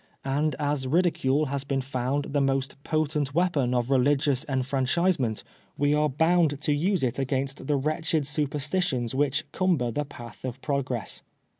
And as ridicule has been found the most potent weapon of religious en anchiBement, we are bound to use it ag^dnst the wretched ANOVHEB PBOSEOUXION, 53 superstitions which cnmber the jHith of proaress.